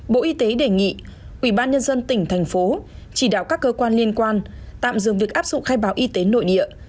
bộ y tế đề nghị ubnd tỉnh thành phố chỉ đạo các cơ quan liên quan tạm dừng việc áp dụng khai báo y tế nội địa